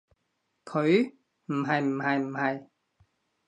佢？唔係唔係唔係